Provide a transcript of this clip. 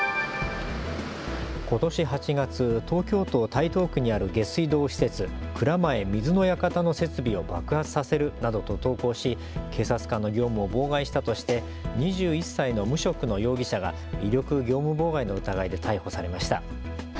ことし８月、東京都台東区にある下水道施設、蔵前水の館の設備を爆発させるなどと投稿し警察官の業務を妨害したとして２１歳の無職の容疑者が威力業務妨害の疑いで逮捕されました。